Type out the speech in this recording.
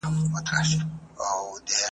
هغه د ستونزو د حل هڅه کوله.